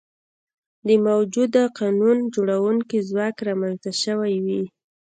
د موجوده قانون جوړوونکي ځواک رامنځته شوي وي.